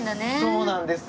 そうなんですよ。